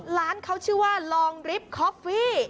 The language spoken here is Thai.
ร้านเขาชื่อว่าลองริฟทคอฟฟี่